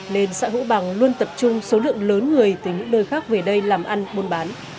nên xã hữu bằng luôn tập trung số lượng lớn người từ những nơi khác về đây làm ăn buôn bán